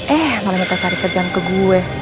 eh malah kita cari kerjaan ke gue